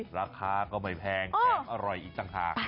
ราคาก็ไม่แพงแถมอร่อยอีกต่างหาก